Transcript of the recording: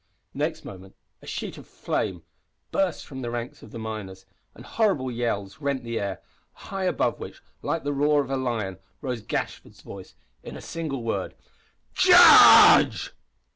Next moment a sheet of flame burst from the ranks of the miners, and horrible yells rent the air, high above which, like the roar of a lion, rose Gashford's voice in the single word: "Charge!"